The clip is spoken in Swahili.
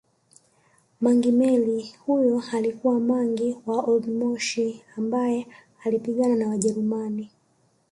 Mangi Meli huyu alikuwa mangi wa oldmoshi ambaye alipigana na wajerumani